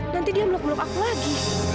nanti dia meluk meluk aku lagi